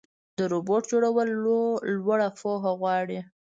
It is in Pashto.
د روبوټ جوړول لوړه پوهه غواړي.